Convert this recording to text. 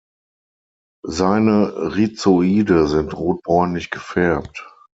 Seine Rhizoide sind rotbräunlich gefärbt.